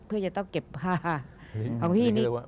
เพื่อจะต้องเก็บผ้าเอาที่นี้